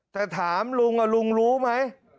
แต่ถามลุงลุงรู้ไหม